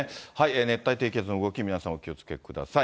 熱帯低気圧の動き、皆さんお気をつけください。